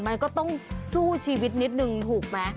มันก็ต้องสู้ชีวิตนิดนึงถูกไหม